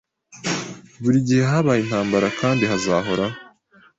Buri gihe habaye intambara kandi hazahoraho.